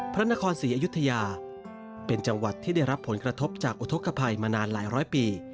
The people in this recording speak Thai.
พระนครศรีอยุธยาเป็นจังหวัดที่ได้รับผลกระทบจากอุทธกภัยมานานหลายร้อยปี